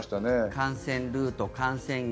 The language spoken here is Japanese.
感染ルート、感染源。